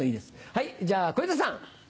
はいじゃあ小遊三さん。